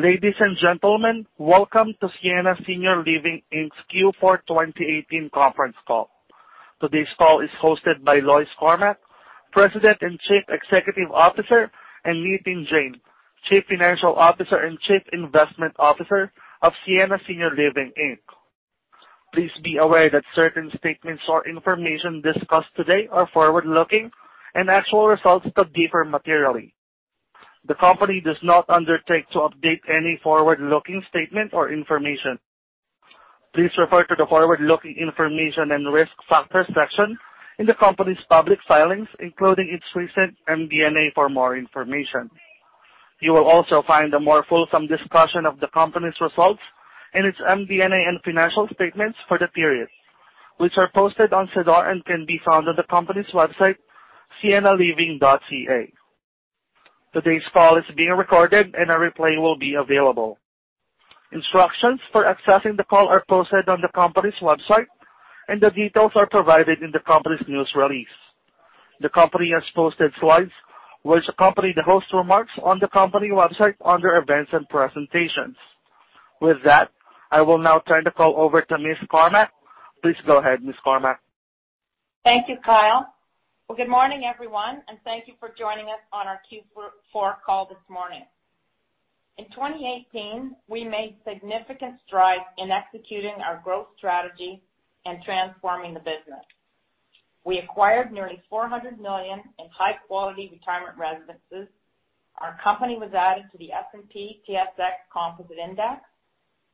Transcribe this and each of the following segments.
Ladies and gentlemen, welcome to Sienna Senior Living Inc.'s Q4 2018 conference call. Today's call is hosted by Lois Cormack, President and Chief Executive Officer, and Nitin Jain, Chief Financial Officer and Chief Investment Officer of Sienna Senior Living Inc. Please be aware that certain statements or information discussed today are forward-looking, and actual results could differ materially. The company does not undertake to update any forward-looking statement or information. Please refer to the forward-looking information and risk factors section in the company's public filings, including its recent MD&A for more information. You will also find a more fulsome discussion of the company's results in its MD&A and financial statements for the period, which are posted on SEDAR and can be found on the company's website, siennaliving.ca. Today's call is being recorded, and a replay will be available. Instructions for accessing the call are posted on the company's website, and the details are provided in the company's news release. The company has posted slides which accompany the host remarks on the company website under Events and Presentations. With that, I will now turn the call over to Ms. Cormack. Please go ahead, Ms. Cormack. Thank you, Kyle. Well, good morning, everyone, and thank you for joining us on our Q4 call this morning. In 2018, we made significant strides in executing our growth strategy and transforming the business. We acquired nearly 400 million in high-quality retirement residences. Our company was added to the S&P/TSX Composite Index,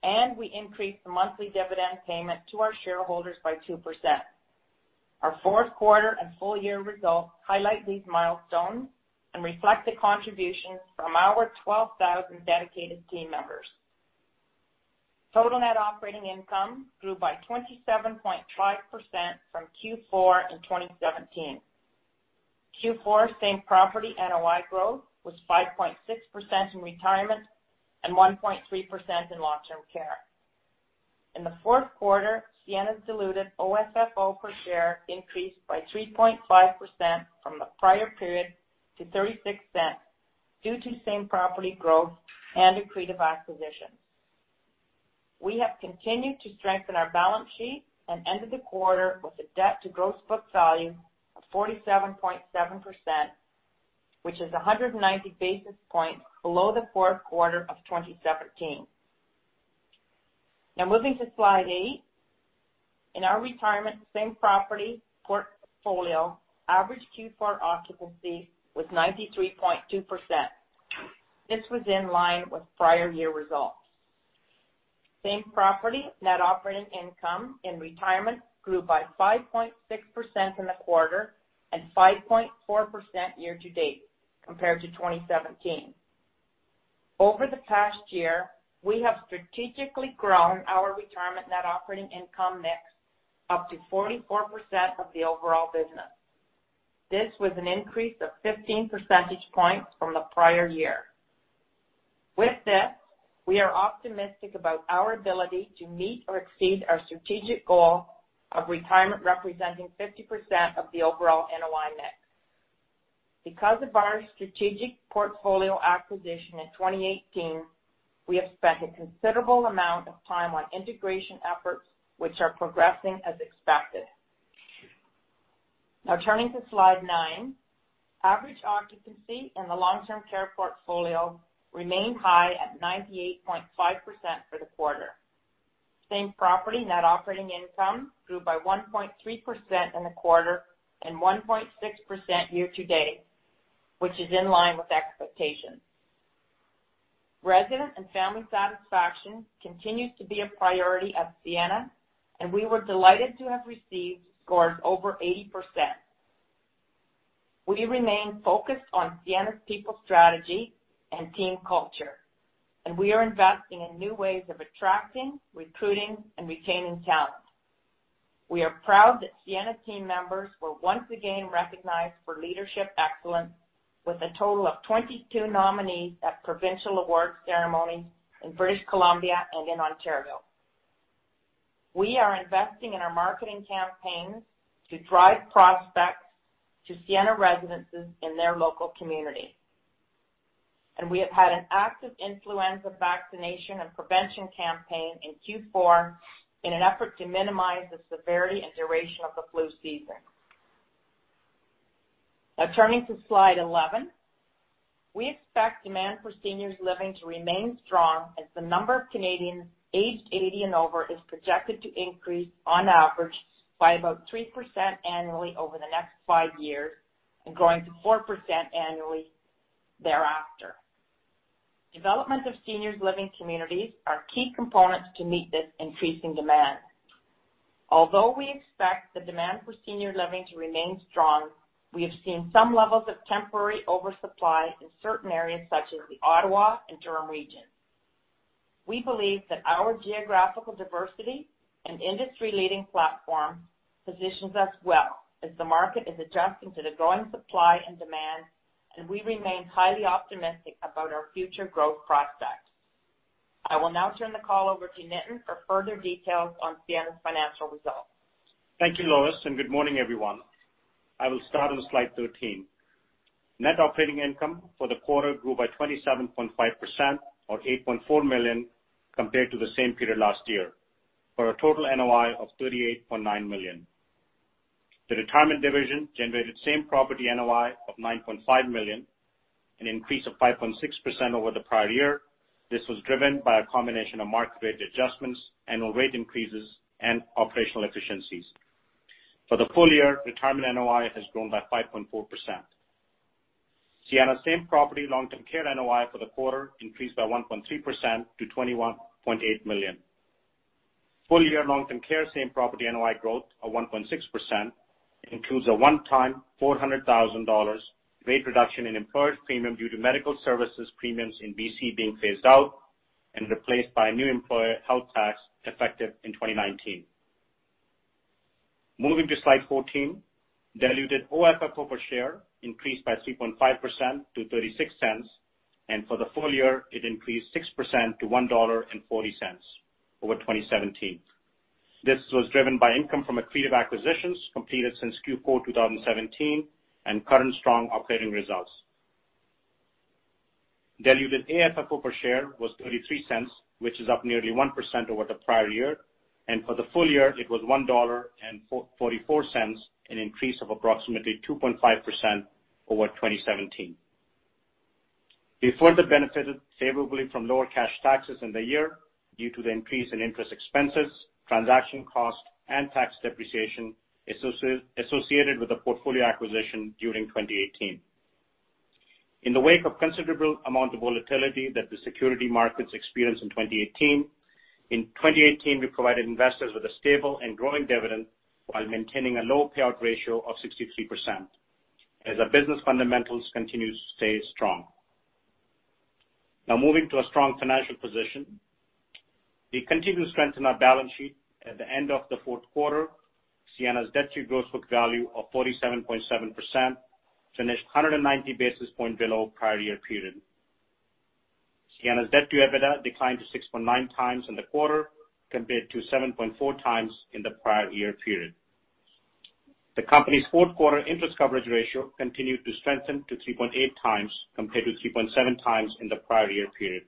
and we increased the monthly dividend payment to our shareholders by 2%. Our fourth quarter and full year results highlight these milestones and reflect the contributions from our 12,000 dedicated team members. Total net operating income grew by 27.5% from Q4 in 2017. Q4 same-property NOI growth was 5.6% in retirement and 1.3% in long-term care. In the fourth quarter, Sienna's diluted OFFO per share increased by 3.5% from the prior period to 0.36 due to same-property growth and accretive acquisitions. We have continued to strengthen our balance sheet and ended the quarter with a debt to gross book value of 47.7%, which is 190 basis points below the fourth quarter of 2017. Now, moving to slide eight. In our retirement same-property portfolio, average Q4 occupancy was 93.2%. This was in line with prior year results. Same-property net operating income in retirement grew by 5.6% in the quarter and 5.4% year-to-date compared to 2017. Over the past year, we have strategically grown our retirement net operating income mix up to 44% of the overall business. This was an increase of 15 percentage points from the prior year. With this, we are optimistic about our ability to meet or exceed our strategic goal of retirement representing 50% of the overall NOI mix. Because of our strategic portfolio acquisition in 2018, we have spent a considerable amount of time on integration efforts, which are progressing as expected. Now turning to slide nine. Average occupancy in the long-term care portfolio remained high at 98.5% for the quarter. Same-property Net Operating Income grew by 1.3% in the quarter and 1.6% year-to-date, which is in line with expectations. Resident and family satisfaction continues to be a priority at Sienna, and we were delighted to have received scores over 80%. We remain focused on Sienna's people strategy and team culture, and we are investing in new ways of attracting, recruiting, and retaining talent. We are proud that Sienna team members were once again recognized for leadership excellence with a total of 22 nominees at provincial awards ceremonies in British Columbia and in Ontario. We are investing in our marketing campaigns to drive prospects to Sienna residences in their local community. We have had an active influenza vaccination and prevention campaign in Q4 in an effort to minimize the severity and duration of the flu season. Now turning to slide 11. We expect demand for seniors living to remain strong as the number of Canadians aged 80 and over is projected to increase on average by about 3% annually over the next five years and growing to 4% annually thereafter. Development of seniors living communities are key components to meet this increasing demand. Although we expect the demand for senior living to remain strong, we have seen some levels of temporary oversupply in certain areas such as the Ottawa and Durham Region. We believe that our geographical diversity and industry leading platform positions us well as the market is adjusting to the growing supply and demand, and we remain highly optimistic about our future growth prospects. I will now turn the call over to Nitin for further details on Sienna's financial results. Thank you, Lois, and good morning, everyone. I will start on slide 13. Net Operating Income for the quarter grew by 27.5%, or 8.4 million, compared to the same period last year, for a total NOI of 38.9 million. The retirement division generated same-property NOI of 9.5 million, an increase of 5.6% over the prior year. This was driven by a combination of market rate adjustments, annual rate increases, and operational efficiencies. For the full year, retirement NOI has grown by 5.4%. Sienna same-property long-term care NOI for the quarter increased by 1.3% to 21.8 million. Full year long-term care same-property NOI growth of 1.6% includes a one-time 400,000 dollars rate reduction in employed premium due to medical services premiums in B.C. being phased out and replaced by a new Employer Health Tax effective in 2019. Moving to slide 14, diluted OFFO per share increased by 3.5% to 0.36, and for the full year, it increased 6% to 1.40 dollar over 2017. This was driven by income from accretive acquisitions completed since Q4 2017 and current strong operating results. Diluted AFFO per share was 0.33, which is up nearly 1% over the prior year. For the full year, it was 1.44 dollar, an increase of approximately 2.5% over 2017. We further benefited favorably from lower cash taxes in the year due to the increase in interest expenses, transaction costs, and tax depreciation associated with the portfolio acquisition during 2018. In the wake of considerable amount of volatility that the security markets experienced in 2018, we provided investors with a stable and growing dividend while maintaining a low payout ratio of 63%, as our business fundamentals continue to stay strong. Now moving to our strong financial position. We continue to strengthen our balance sheet. At the end of the fourth quarter, Sienna's debt to gross book value of 47.7% finished 190 basis points below prior year period. Sienna's debt to EBITDA declined to 6.9x in the quarter, compared to 7.4x in the prior year period. The company's fourth-quarter interest coverage ratio continued to strengthen to 3.8x, compared with 3.7x in the prior year period.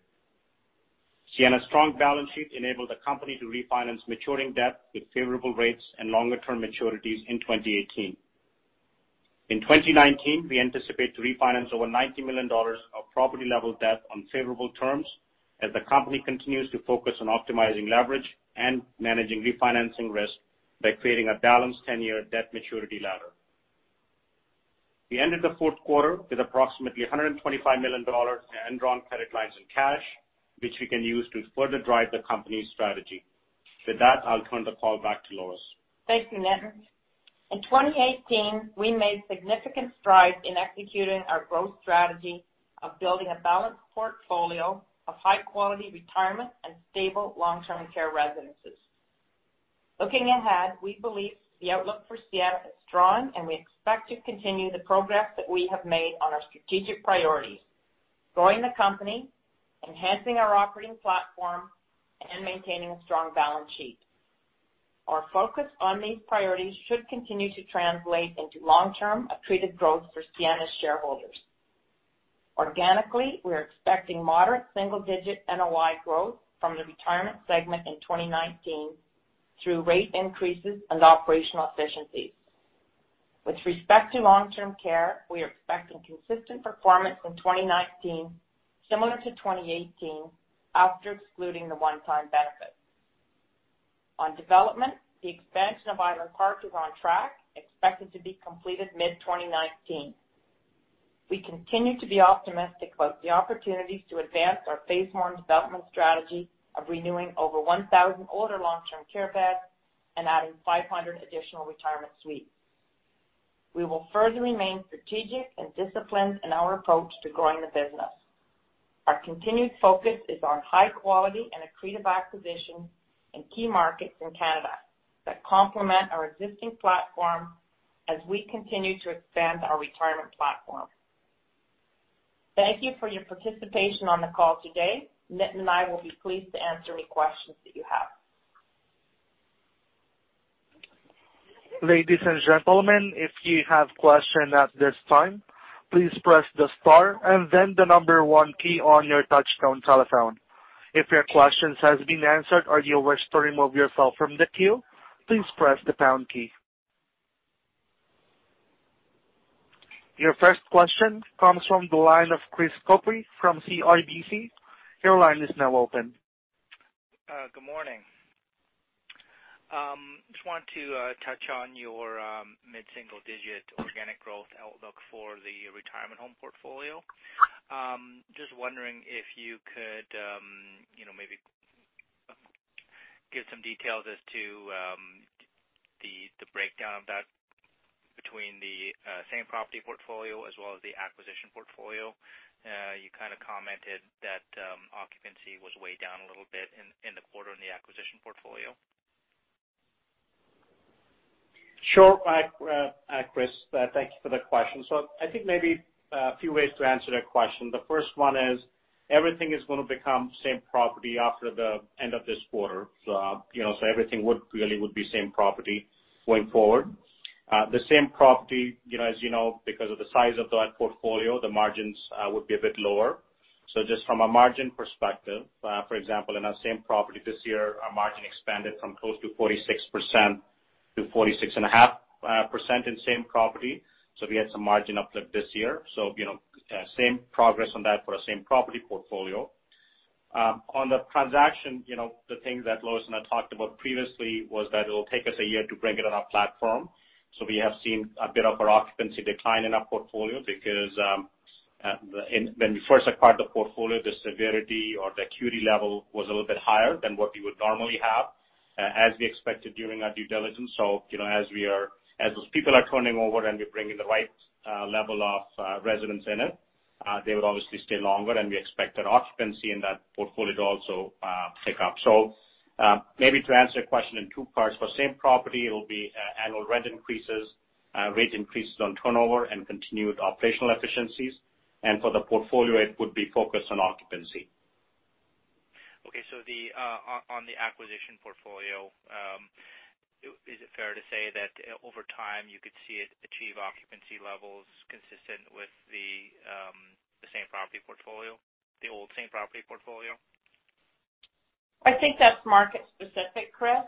Sienna's strong balance sheet enabled the company to refinance maturing debt with favorable rates and longer-term maturities in 2018. In 2019, we anticipate to refinance over 90 million dollars of property-level debt on favorable terms as the company continues to focus on optimizing leverage and managing refinancing risk by creating a balanced 10-year debt maturity ladder. We ended the fourth quarter with approximately 125 million dollars in undrawn credit lines in cash, which we can use to further drive the company's strategy. With that, I'll turn the call back to Lois. Thank you, Nitin. In 2018, we made significant strides in executing our growth strategy of building a balanced portfolio of high-quality retirement and stable long-term care residences. Looking ahead, we believe the outlook for Sienna is strong, and we expect to continue the progress that we have made on our strategic priorities, growing the company, enhancing our operating platform, and maintaining a strong balance sheet. Our focus on these priorities should continue to translate into long-term accretive growth for Sienna's shareholders. Organically, we're expecting moderate single-digit NOI growth from the retirement segment in 2019 through rate increases and operational efficiencies. With respect to long-term care, we are expecting consistent performance in 2019 similar to 2018 after excluding the one-time benefits. On development, the expansion of Island Park is on track, expected to be completed mid-2019. We continue to be optimistic about the opportunities to advance our phase one development strategy of renewing over 1,000 older long-term care beds and adding 500 additional retirement suites. We will further remain strategic and disciplined in our approach to growing the business. Our continued focus is on high quality and accretive acquisitions in key markets in Canada that complement our existing platform as we continue to expand our retirement platform. Thank you for your participation on the call today. Nitin and I will be pleased to answer any questions that you have. Ladies and gentlemen, if you have questions at this time, please press the star and then the number 1 key on your touchtone telephone. If your question has been answered or you wish to remove yourself from the queue, please press the pound key. Your first question comes from the line of Chris Couprie from CIBC. Your line is now open. Good morning. Just wanted to touch on your mid-single-digit organic growth outlook for the retirement home portfolio. Just wondering if you could maybe give some details as to the breakdown of that between the same property portfolio as well as the acquisition portfolio. You kind of commented that occupancy was way down a little bit in the quarter in the acquisition portfolio. Sure. Chris, thank you for that question. I think maybe a few ways to answer that question. The first one is everything is going to become same property after the end of this quarter. Everything would really would be same property going forward. The same property, as you know, because of the size of that portfolio, the margins would be a bit lower. Just from a margin perspective, for example, in our same property this year, our margin expanded from close to 46% to 46.5% in same property. We had some margin uplift this year. Same progress on that for a same property portfolio. On the transaction, the thing that Lois and I talked about previously was that it'll take us a year to bring it on our platform. We have seen a bit of our occupancy decline in our portfolio because when we first acquired the portfolio, the severity or the acuity level was a little bit higher than what we would normally have, as we expected during our due diligence. As those people are turning over and we're bringing the right level of residents in it, they would obviously stay longer, and we expect that occupancy in that portfolio to also pick up. Maybe to answer your question in two parts, for same property, it will be annual rent increases, rate increases on turnover, and continued operational efficiencies. For the portfolio, it would be focused on occupancy. On the acquisition portfolio, is it fair to say that over time you could see it achieve occupancy levels consistent with the same property portfolio, the old same property portfolio? I think that's market specific, Chris.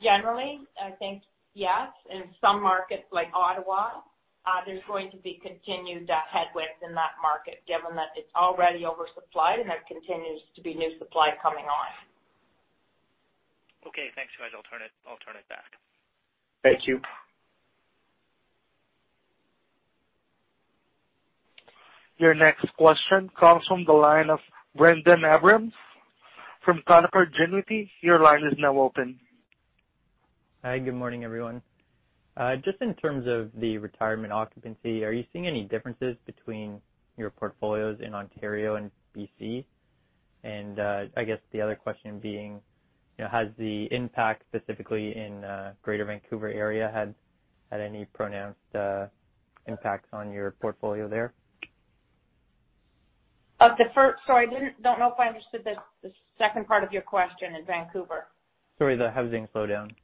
Generally, I think yes. In some markets like Ottawa, there's going to be continued headwinds in that market, given that it's already oversupplied and there continues to be new supply coming on. Thanks you guys. I'll turn it back. Thank you. Your next question comes from the line of Brandon Abrams from Canaccord Genuity. Your line is now open. Hi, good morning, everyone. Just in terms of the retirement occupancy, are you seeing any differences between your portfolios in Ontario and BC? I guess the other question being, has the impact specifically in Greater Vancouver Area had any pronounced impacts on your portfolio there? Sorry, I don't know if I understood the second part of your question in Vancouver. Sorry, the housing slowdown in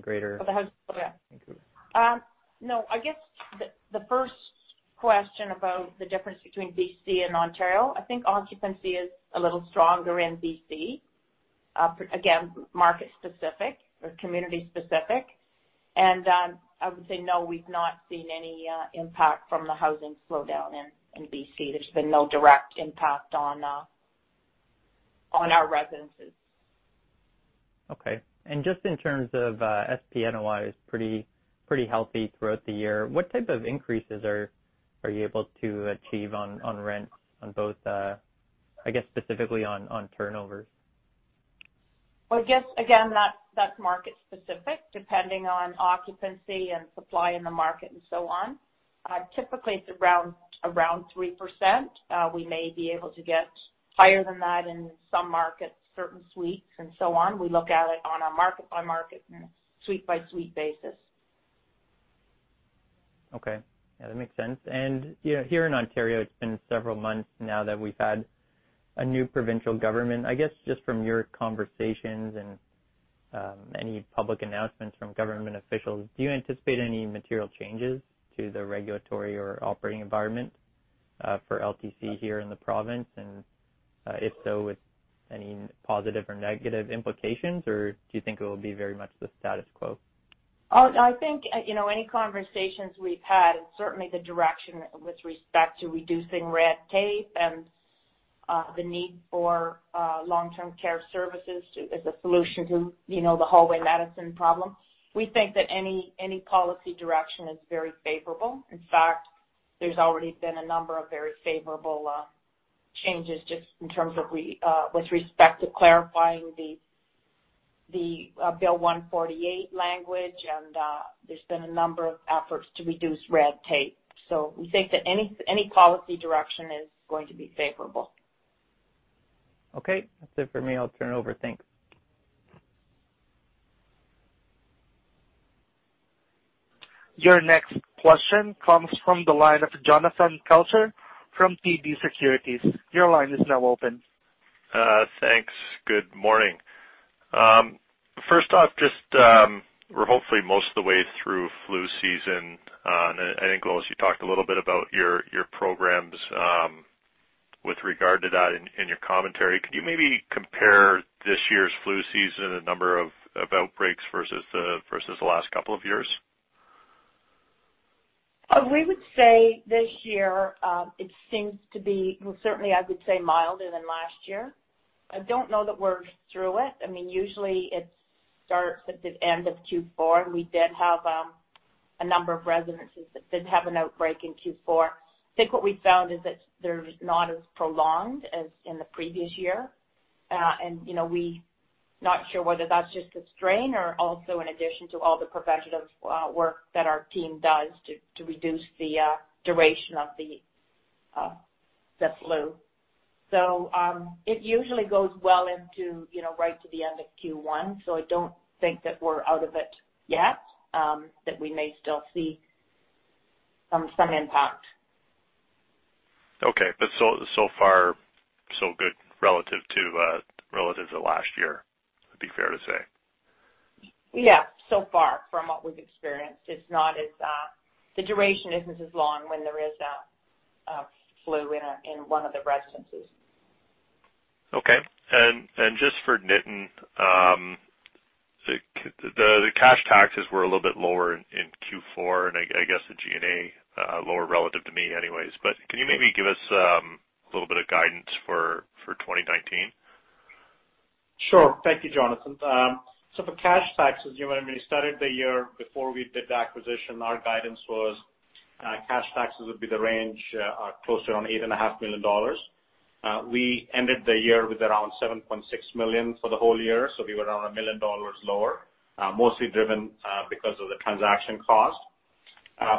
Greater Oh, the housing slowdown. Vancouver. No, I guess the first question about the difference between B.C. and Ontario, I think occupancy is a little stronger in B.C. Again, market specific or community specific. I would say, no, we've not seen any impact from the housing slowdown in B.C. There's been no direct impact on our residences. Okay. Just in terms of, SPNOI is pretty healthy throughout the year. What type of increases are you able to achieve on rent on both, I guess specifically on turnover? Well, I guess, again, that's market specific, depending on occupancy and supply in the market and so on. Typically, it's around 3%. We may be able to get higher than that in some markets, certain suites and so on. We look at it on a market-by-market and suite-by-suite basis. Okay. Yeah, that makes sense. Here in Ontario, it's been several months now that we've had a new provincial government. I guess, just from your conversations and any public announcements from government officials, do you anticipate any material changes to the regulatory or operating environment for LTC here in the province? If so, with any positive or negative implications, or do you think it will be very much the status quo? I think, any conversations we've had, certainly the direction with respect to reducing red tape and the need for long-term care services as a solution to the hallway medicine problem, we think that any policy direction is very favorable. In fact, there's already been a number of very favorable changes just in terms of with respect to clarifying the Bill 148 language, there's been a number of efforts to reduce red tape. We think that any policy direction is going to be favorable. Okay. That's it for me. I'll turn it over. Thanks. Your next question comes from the line of Jonathan Kelcher from TD Securities. Your line is now open. Thanks. Good morning. First off, just we're hopefully most of the way through flu season. I think, Lois, you talked a little bit about your programs with regard to that in your commentary. Could you maybe compare this year's flu season and number of outbreaks versus the last couple of years? We would say this year, it seems to be, well, certainly I would say milder than last year. I don't know that we're through it. Usually it starts at the end of Q4, we did have a number of residences that did have an outbreak in Q4. I think what we found is that they're not as prolonged as in the previous year. We're not sure whether that's just the strain or also in addition to all the preventative work that our team does to reduce the duration of the flu. It usually goes well right to the end of Q1, I don't think that we're out of it yet, that we may still see some impact. Okay. So far so good relative to last year, it'd be fair to say. Yeah, so far from what we've experienced. The duration isn't as long when there is a flu in one of the residences. Okay. Just for Nitin, the cash taxes were a little bit lower in Q4, and I guess the G&A, lower relative to me anyways, but can you maybe give us a little bit of guidance for 2019? Sure. Thank you, Jonathan. For cash taxes, when we started the year before we did the acquisition, our guidance was cash taxes would be the range closer on 8.5 million dollars. We ended the year with around 7.6 million for the whole year, so we were around 1 million dollars lower, mostly driven because of the transaction cost.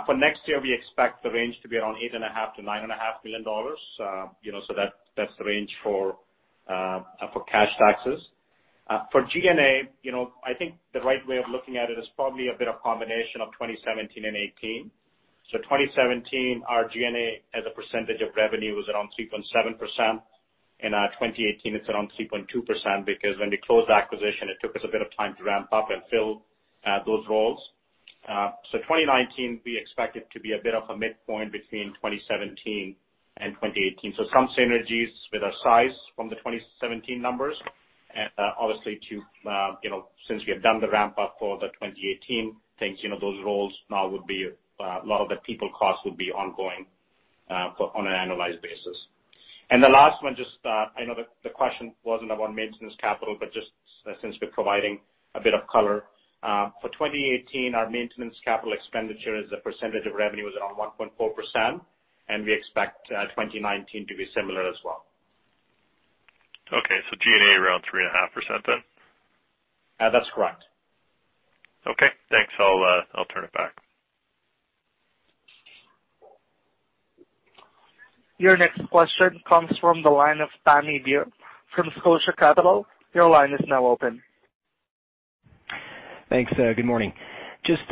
For next year, we expect the range to be around 8.5 million-9.5 million dollars. That's the range for cash taxes. For G&A, I think the right way of looking at it is probably a bit of combination of 2017 and 2018. 2017, our G&A as a percentage of revenue was around 3.7%, in 2018 it's around 3.2% because when we closed the acquisition, it took us a bit of time to ramp up and fill those roles. 2019, we expect it to be a bit of a midpoint between 2017 and 2018. Some synergies with our size from the 2017 numbers, obviously since we have done the ramp up for the 2018 things, those roles now would be, a lot of the people costs would be ongoing, on an annualized basis. The last one, just, I know the question wasn't about maintenance capital, but just since we're providing a bit of color. For 2018, our maintenance capital expenditure as a percentage of revenue was around 1.4%, and we expect 2019 to be similar as well. Okay, G&A around 3.5% then? That's correct. Okay, thanks. I'll turn it back. Your next question comes from the line of Pammy Grewal from Scotia Capital. Your line is now open. Thanks. Good morning. Just,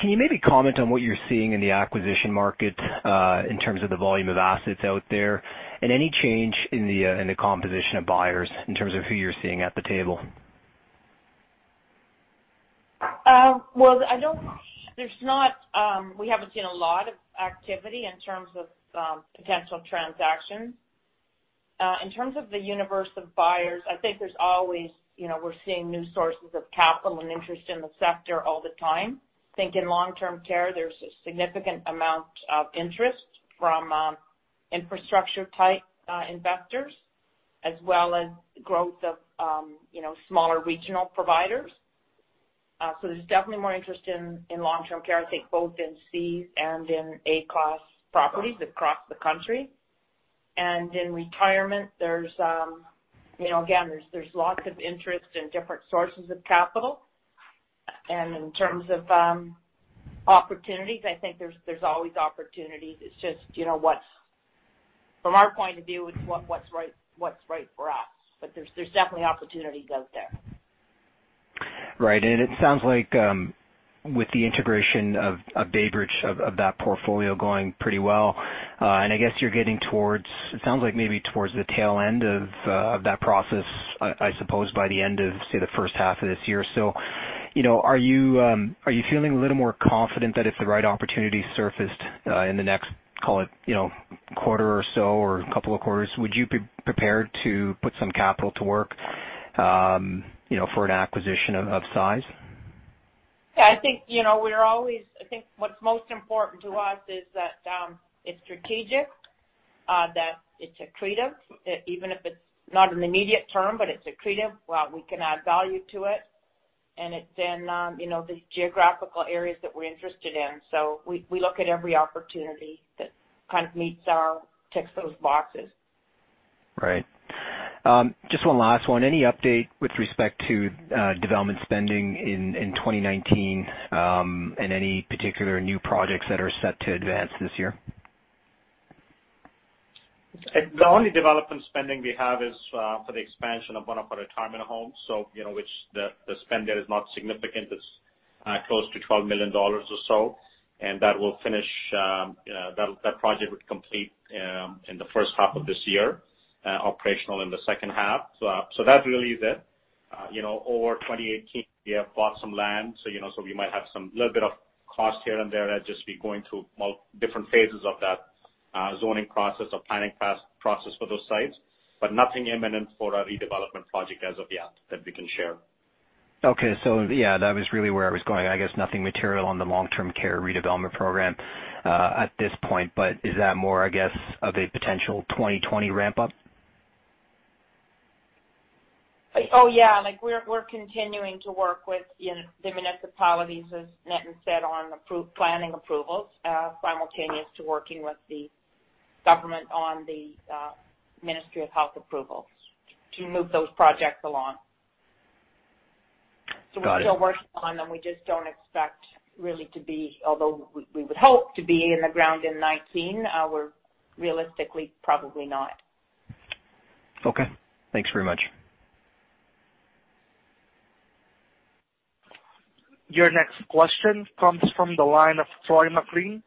can you maybe comment on what you're seeing in the acquisition market, in terms of the volume of assets out there, and any change in the composition of buyers in terms of who you're seeing at the table? Well, we haven't seen a lot of activity in terms of potential transactions. In terms of the universe of buyers, I think there's always, we're seeing new sources of capital and interest in the sector all the time. I think in long-term care, there's a significant amount of interest from infrastructure-type investors, as well as growth of smaller regional providers. There's definitely more interest in long-term care, I think both in C and in A class properties across the country. In retirement, again, there's lots of interest in different sources of capital. In terms of opportunities, I think there's always opportunity. It's just, from our point of view, it's what's right for us. There's definitely opportunities out there. Right. It sounds like, with the integration of BayBridge, of that portfolio going pretty well, and I guess you're getting towards, it sounds like maybe towards the tail end of that process, I suppose by the end of, say, the first half of this year. Are you feeling a little more confident that if the right opportunity surfaced in the next, call it quarter or so, or couple of quarters, would you be prepared to put some capital to work for an acquisition of size? Yeah, I think what's most important to us is that it's strategic, that it's accretive, even if it's not in the immediate term, but it's accretive, while we can add value to it. It's in the geographical areas that we're interested in. We look at every opportunity that kind of ticks those boxes. Right. Just one last one. Any update with respect to development spending in 2019, and any particular new projects that are set to advance this year? The only development spending we have is for the expansion of one of our retirement homes. The spend there is not significant. It's close to 12 million dollars or so, and that project would complete in the first half of this year, operational in the second half. That really is it. Over 2018, we have bought some land, so we might have some little bit of cost here and there as just we going through different phases of that zoning process or planning process for those sites, but nothing imminent for a redevelopment project as of yet that we can share. Okay. Yeah, that was really where I was going. I guess nothing material on the long-term care redevelopment program at this point, but is that more, I guess, of a potential 2020 ramp-up? Oh, yeah. We're continuing to work with the municipalities, as Nitin said, on planning approvals, simultaneous to working with the government on the Ministry of Health approvals to move those projects along. We're still working on them. We just don't expect really to be, although we would hope to be in the ground in 2019, we're realistically probably not. Okay. Thanks very much. Your next question comes from the line of Troy MacLean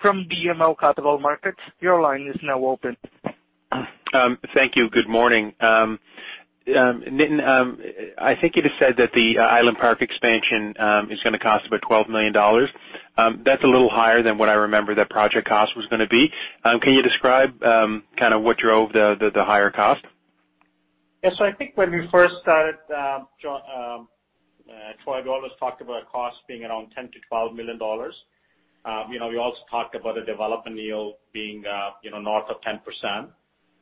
from BMO Capital Markets. Your line is now open. Thank you. Good morning. Nitin, I think you just said that the Island Park expansion is going to cost about 12 million dollars. That's a little higher than what I remember that project cost was going to be. Can you describe what drove the higher cost? Yes. I think when we first started, Troy, we always talked about cost being around 10 million-12 million dollars. We also talked about the development yield being north of 10%.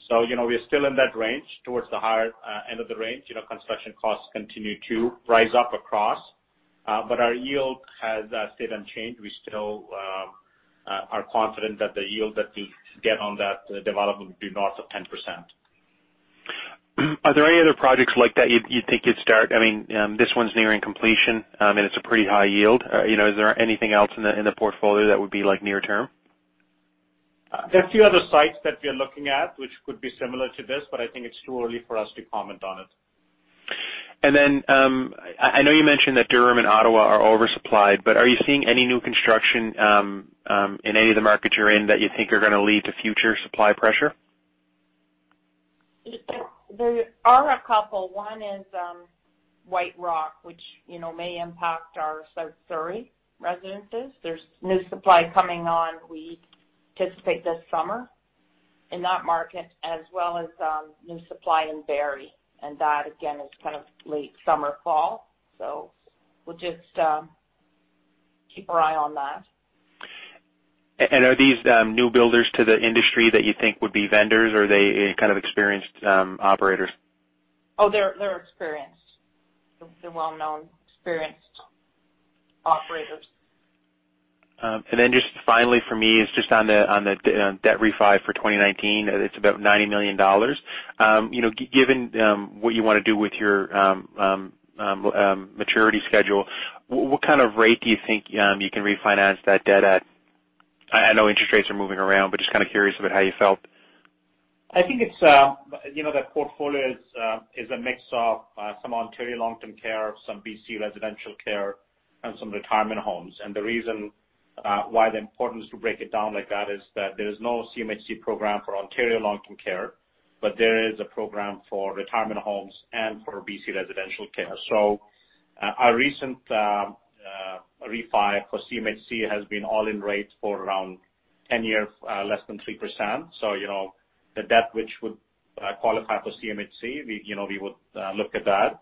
We are still in that range, towards the higher end of the range. Construction costs continue to rise up across. Our yield has stayed unchanged. We still are confident that the yield that we get on that development will be north of 10%. Are there any other projects like that you'd think you'd start? This one's nearing completion, and it's a pretty high yield. Is there anything else in the portfolio that would be near-term? There are a few other sites that we are looking at which could be similar to this. I think it's too early for us to comment on it. I know you mentioned that Durham and Ottawa are oversupplied. Are you seeing any new construction in any of the markets you're in that you think are going to lead to future supply pressure? There are a couple. One is White Rock, which may impact our South Surrey residences. There's new supply coming on, we anticipate this summer in that market, as well as new supply in Barrie. That, again, is kind of late summer, fall. We'll just keep our eye on that. Are these new builders to the industry that you think would be vendors, or are they kind of experienced operators? They're experienced. They're well-known, experienced operators. Just finally for me is just on the debt refi for 2019. It's about 90 million dollars. Given what you want to do with your maturity schedule, what kind of rate do you think you can refinance that debt at? I know interest rates are moving around, but just kind of curious about how you felt. I think the portfolio is a mix of some Ontario long-term care, some B.C. residential care, and some retirement homes. The reason why the importance to break it down like that is that there is no CMHC program for Ontario long-term care, there is a program for retirement homes and for B.C. residential care. Our recent refi for CMHC has been all-in rates for around 10 years, less than 3%. The debt which would qualify for CMHC, we would look at that.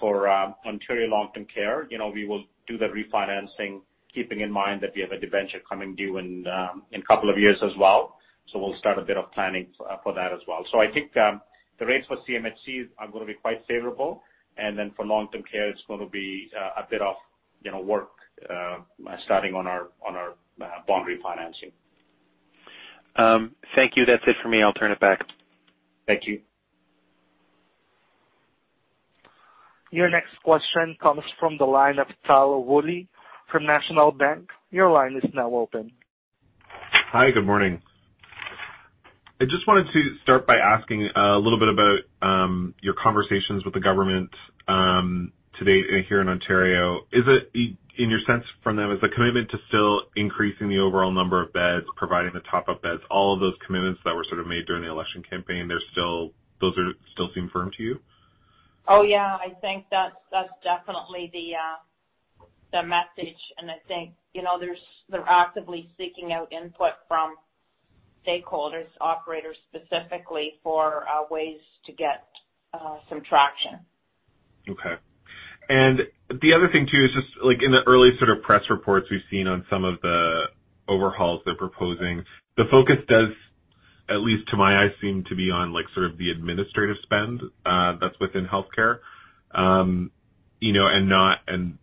For Ontario long-term care, we will do the refinancing, keeping in mind that we have a debenture coming due in a couple of years as well. We'll start a bit of planning for that as well. I think, the rates for CMHC are going to be quite favorable. For long-term care, it's going to be a bit of work, starting on our bond refinancing. Thank you. That's it for me. I'll turn it back. Thank you. Your next question comes from the line of Tal Woolley from National Bank. Your line is now open. Hi, good morning. I just wanted to start by asking a little bit about your conversations with the government, to date here in Ontario. In your sense from them, is the commitment to still increasing the overall number of beds, providing the top-up beds, all of those commitments that were sort of made during the election campaign, those still seem firm to you? Oh, yeah. I think that's definitely the message. I think they're actively seeking out input from stakeholders, operators specifically, for ways to get some traction. Okay. The other thing too is just like in the early sort of press reports we've seen on some of the overhauls they're proposing, the focus does, at least to my eyes, seem to be on sort of the administrative spend that's within health care, and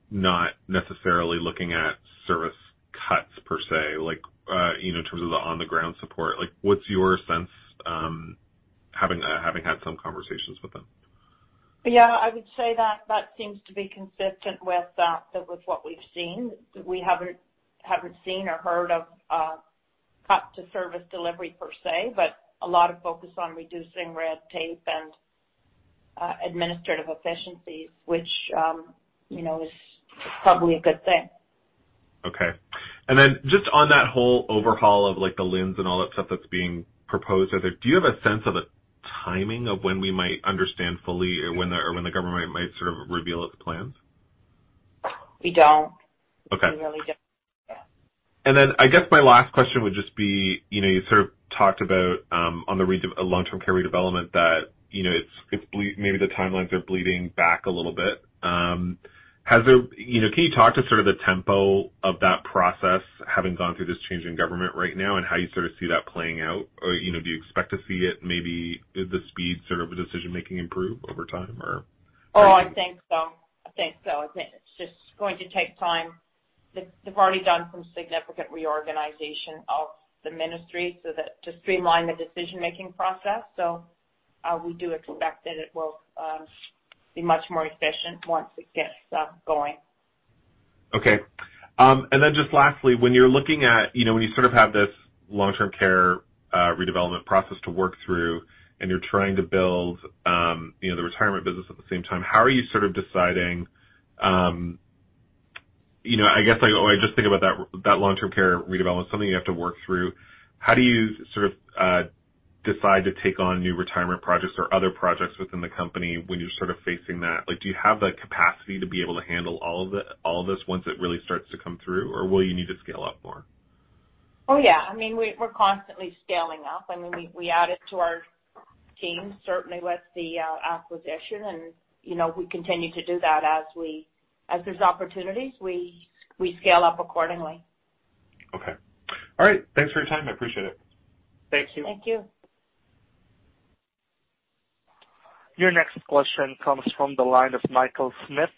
not necessarily looking at service cuts per se, in terms of the on-the-ground support. What's your sense, having had some conversations with them? Yeah, I would say that seems to be consistent with what we've seen. We haven't seen or heard of cuts to service delivery per se, but a lot of focus on reducing red tape and administrative efficiencies, which is probably a good thing. Okay. Just on that whole overhaul of the LHINs and all that stuff that's being proposed. Do you have a sense of the timing of when we might understand fully or when the government might sort of reveal its plans? We don't. Okay. We really don't. Yeah. I guess my last question would just be, you sort of talked about, on the long-term care redevelopment that maybe the timelines are bleeding back a little bit. Can you talk to sort of the tempo of that process having gone through this change in government right now, and how you sort of see that playing out? Do you expect to see it maybe the speed sort of decision making improve over time or? I think so. I think it's just going to take time. They've already done some significant reorganization of the ministry to streamline the decision-making process. We do expect that it will be much more efficient once it gets going. Okay. Just lastly, when you sort of have this long-term care redevelopment process to work through and you're trying to build the retirement business at the same time, how are you deciding, I just think about that long-term care redevelopment, something you have to work through. How do you sort of decide to take on new retirement projects or other projects within the company when you're sort of facing that? Do you have the capacity to be able to handle all of this once it really starts to come through? Or will you need to scale up more? Oh, yeah. We're constantly scaling up. We added to our team, certainly with the acquisition, and we continue to do that as there's opportunities, we scale up accordingly. Okay. All right. Thanks for your time. I appreciate it. Thank you. Thank you. Your next question comes from the line of Michael Smith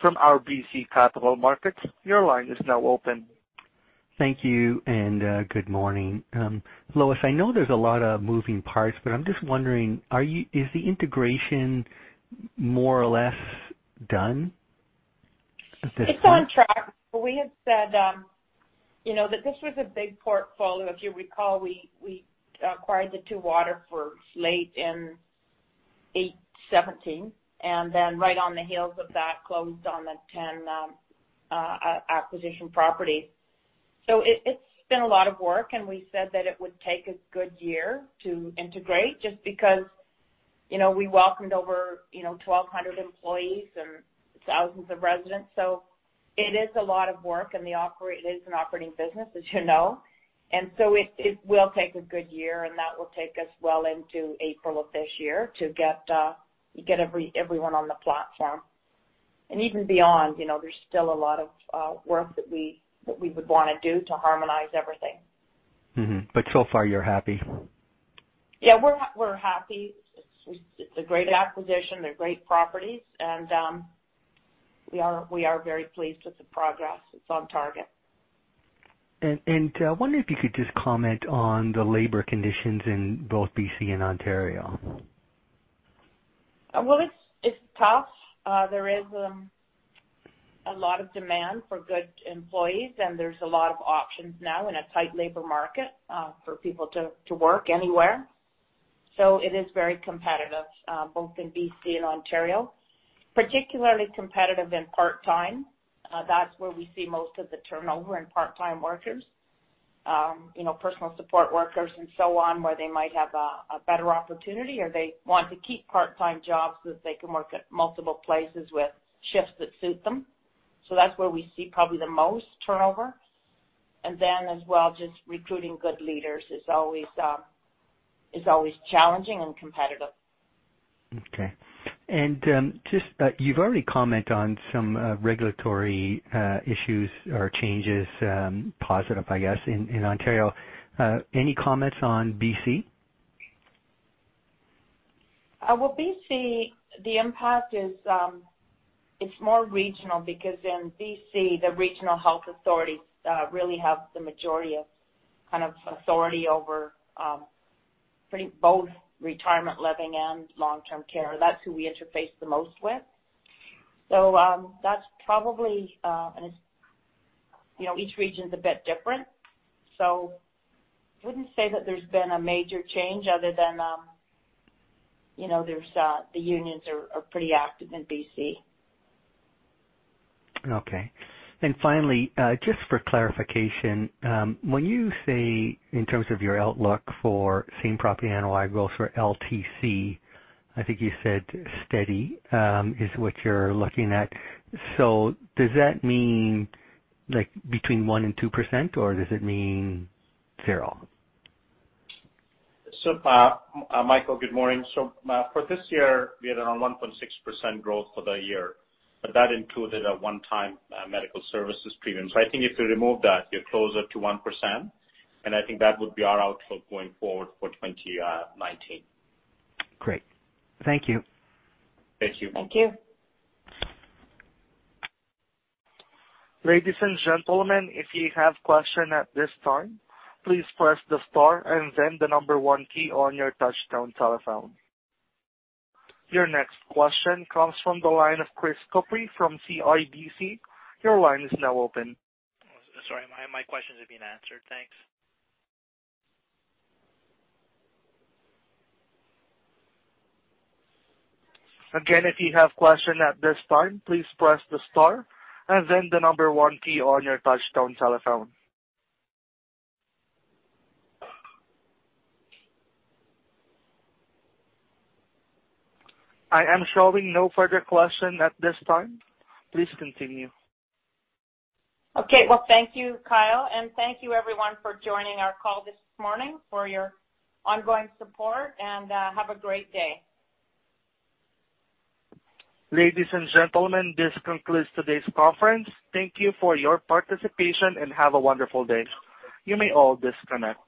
from RBC Capital Markets. Your line is now open. Thank you. Good morning. Lois, I know there's a lot of moving parts, but I'm just wondering, is the integration more or less done at this point? It's on track. We had said that this was a big portfolio. If you recall, we acquired the two Waterfords late in 2017, then right on the heels of that, closed on the 10 acquisition properties. It's been a lot of work, we said that it would take a good year to integrate just because we welcomed over 1,200 employees and thousands of residents. It is a lot of work, it is an operating business as you know. It will take a good year, that will take us well into April of this year to get everyone on the platform. Even beyond, there's still a lot of work that we would want to do to harmonize everything. Mm-hmm. So far, you're happy. Yeah, we're happy. It's a great acquisition. They're great properties. We are very pleased with the progress. It's on target. I wonder if you could just comment on the labor conditions in both B.C. and Ontario. Well, it's tough. There is a lot of demand for good employees, and there's a lot of options now in a tight labor market for people to work anywhere. It is very competitive, both in B.C. and Ontario, particularly competitive in part-time. That's where we see most of the turnover in part-time workers. Personal support workers and so on, where they might have a better opportunity, or they want to keep part-time jobs so that they can work at multiple places with shifts that suit them. That's where we see probably the most turnover. Then as well, just recruiting good leaders is always challenging and competitive. Okay. Just, you've already comment on some regulatory issues or changes, positive, I guess, in Ontario. Any comments on B.C.? BC, the impact is more regional because in BC, the regional health authorities really have the majority of authority over both retirement living and long-term care. That's who we interface the most with. Each region's a bit different, wouldn't say that there's been a major change other than the unions are pretty active in BC. Okay. Finally, just for clarification, when you say in terms of your outlook for same-property NOI growth for LTC, I think you said steady, is what you're looking at. Does that mean between 1% and 2%, or does it mean zero? Michael, good morning. For this year, we had around 1.6% growth for the year, but that included a one-time medical services premium. I think if you remove that, you're closer to 1%, and I think that would be our outlook going forward for 2019. Great. Thank you. Thank you. Thank you. Ladies and gentlemen, if you have question at this time, please press the star and then the number one key on your touchtone telephone. Your next question comes from the line of Chris Couprie from CIBC. Your line is now open. Oh, sorry, my questions have been answered. Thanks. Again, if you have questions at this time, please press the star and then the number one key on your touchtone telephone. I am showing no further questions at this time. Please continue. Okay. Well, thank you, Kyle, and thank you everyone for joining our call this morning, for your ongoing support, and have a great day. Ladies and gentlemen, this concludes today's conference. Thank you for your participation, and have a wonderful day. You may all disconnect.